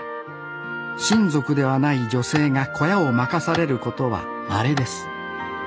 親族ではない女性が小屋を任されることはまれです